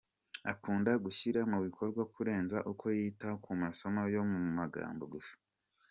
Akunda gushyira mu bikorwa kurenza uko yita ku masomo yo mu magambo gusa.